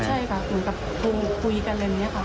ใช่ค่ะเหมือนกับโทรมาคุยกันอะไรอย่างนี้ค่ะ